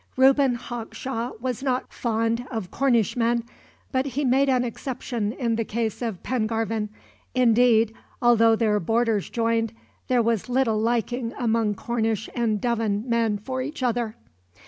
Reuben Hawkshaw was not fond of Cornishmen, but he made an exception in the case of Pengarvan indeed, although their borders joined, there was little liking among Cornish and Devon men for each other.